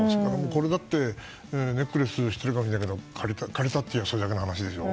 これだってネックレスをしているけど借りたっていえばそれだけの話でしょ。